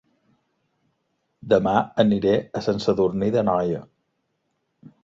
Dema aniré a Sant Sadurní d'Anoia